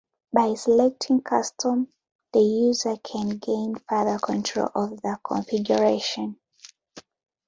By selecting Custom, the user can gain further control of the configuration.